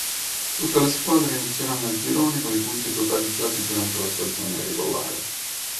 Tutte le squadre inizieranno il girone con i punti totalizzati durante la stagione regolare.